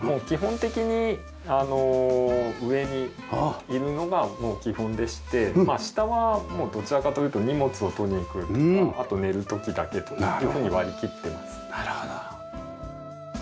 基本的に上にいるのがもう基本でして下はどちらかというと荷物を取りに来るとかあと寝る時だけとかというふうに割りきってます。